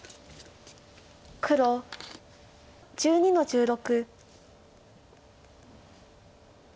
黒１２の十六。